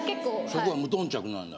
そこは無頓着なんだ。